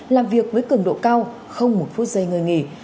làm việc với cường độ cao không một phút giây ngơi nghỉ